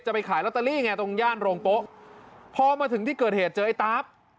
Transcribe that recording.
ไปขายลอตเตอรี่ไงตรงย่านโรงโป๊ะพอมาถึงที่เกิดเหตุเจอไอ้ตาฟ